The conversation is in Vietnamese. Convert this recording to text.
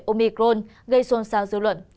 omicron gây xôn xao dư luận